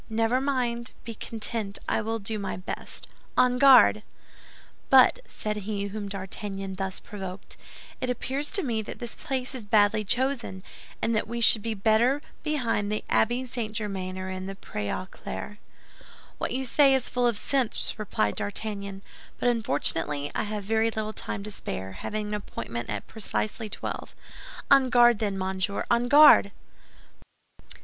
Never mind; be content, I will do my best. On guard!" "But," said he whom D'Artagnan thus provoked, "it appears to me that this place is badly chosen, and that we should be better behind the Abbey St. Germain or in the Pré aux Clercs." "What you say is full of sense," replied D'Artagnan; "but unfortunately I have very little time to spare, having an appointment at twelve precisely. On guard, then, monsieur, on guard!"